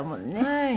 はい。